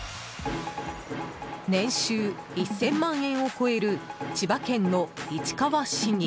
年収１０００万円を超える千葉県の市川市議。